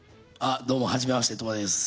どうもはじめまして、鳥羽です。